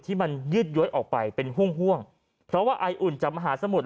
ที่มันยืดย้วยออกไปเป็นห่วงเพราะว่าไออุ่นจากมหาสมุทร